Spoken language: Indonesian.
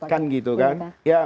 kan gitu kan